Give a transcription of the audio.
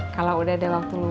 kalau udah ada waktu luang